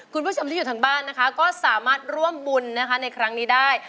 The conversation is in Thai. คุณผู้ชมที่อยู่ทางบ้านนะคะก็สามารถร่วมบุญนะคะในครั้งนี้ได้